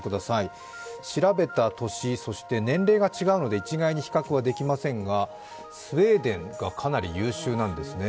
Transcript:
調べた年、そして年齢が違うので一概に比較できませんがスウェーデンがかなり優秀なんですね。